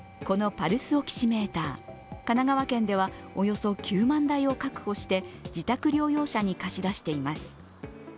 このパルスオキシメーター、神奈川県ではおよそ９万台を確保して自宅療養者に貸し出しています。